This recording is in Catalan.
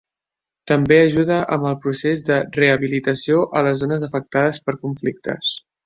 També ajuda amb el procés de rehabilitació a les zones afectades per conflictes.